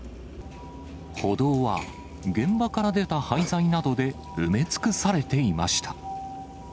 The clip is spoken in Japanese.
歩道は現場から出た廃材などで埋め尽くされていました。